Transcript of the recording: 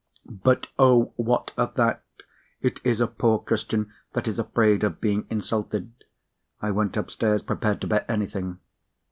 But oh, what of that? It is a poor Christian that is afraid of being insulted. I went upstairs, prepared to bear anything.